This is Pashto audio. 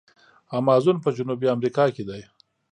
امازون په جنوبي امریکا کې دی.